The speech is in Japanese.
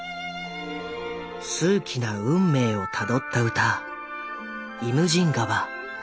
数奇な運命をたどった歌「イムジン河」。